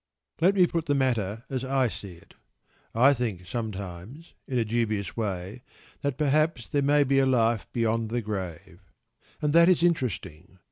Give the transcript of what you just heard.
Let me put the matter as I see it. I think sometimes, in a dubious way, that perhaps there may be a life beyond the grave. And that is interesting.